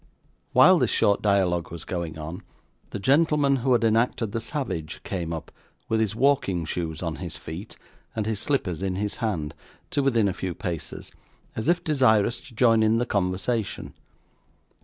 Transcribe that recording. While this short dialogue was going on, the gentleman who had enacted the savage, came up, with his walking shoes on his feet, and his slippers in his hand, to within a few paces, as if desirous to join in the conversation.